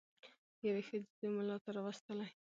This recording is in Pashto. یوې ښځي زوی مُلا ته راوستلی